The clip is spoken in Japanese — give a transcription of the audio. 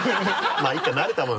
まぁいいか慣れたもの。